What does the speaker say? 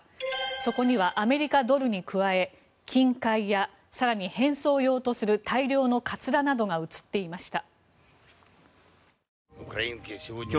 そこにはアメリカドルに加え金塊や、更に変装用とする大量のかつらなどが映っていました。